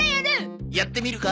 やってみるか？